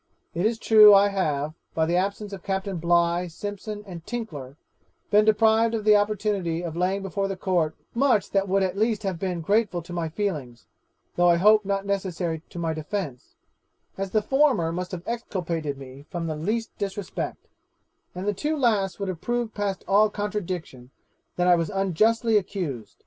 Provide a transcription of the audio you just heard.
It is true I have, by the absence of Captain Bligh, Simpson, and Tinkler, been deprived of the opportunity of laying before the Court much that would at least have been grateful to my feelings, though I hope not necessary to my defence; as the former must have exculpated me from the least disrespect, and the two last would have proved past all contradiction that I was unjustly accused.